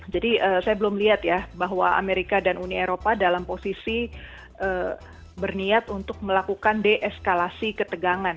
jadi saya belum lihat ya bahwa amerika dan uni eropa dalam posisi berniat untuk melakukan deeskalasi ketegangan